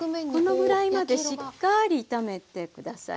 このぐらいまでしっかり炒めて下さいね。